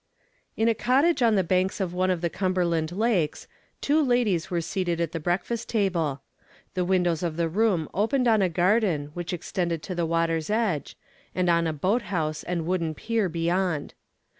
In a cottage on the banks of one of the Cumberland Lakes, two ladies were seated at the breakfast table. The windows of the room opened on a garden which extended to the water's edge, and on a boat house and wooden pier beyond.